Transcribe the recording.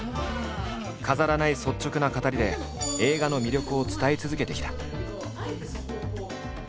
飾らない率直な語りで映画の魅力を伝え続けてきた。